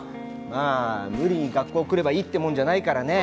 まあ無理に学校来ればいいってもんじゃないからね。